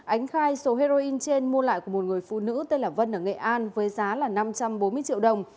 ánh khai số heroin trên mua lại của một người phụ nữ tên là vân ở nghệ an với giá là năm trăm bốn mươi triệu đồng